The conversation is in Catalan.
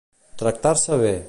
Tractar-se bé.